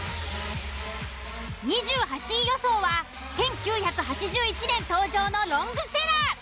２８位予想は１９８１年登場のロングセラー。